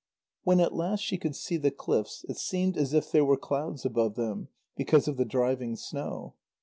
When at last she could see the cliffs, it seemed as if there were clouds above them, because of the driving snow.